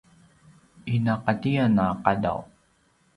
inaqatiyan a qadaw